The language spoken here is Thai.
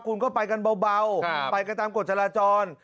คุณก็ไปกันเบาไปกันตามกฎจราจร